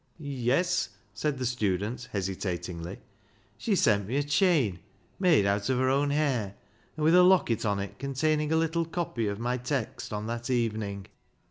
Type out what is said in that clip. " Yes," said the student hesitatingly ;" she sent me a chain made out of her own hair, and with a locket on it containing a little copy of my text on that evening."